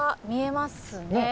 見えますね。